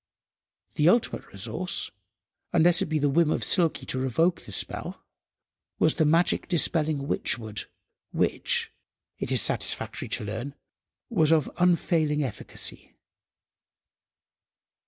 The ultimate resource, unless it might be the whim of Silky to revoke the spell, was the magic dispelling witchwood, which, it is satisfactory to learn, was of unfailing efficacy.